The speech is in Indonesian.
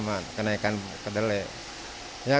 paling dipisin paling agak dikecilin sedikit gitu